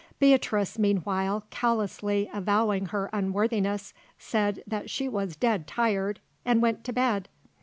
Beatrice meanwhile, callously avowing her unworthiness, said that she was "dead tired" and went to bed.